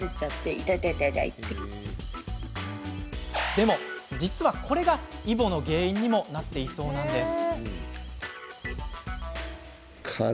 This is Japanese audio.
でも実はこれがイボの原因にもなっているそうなんです。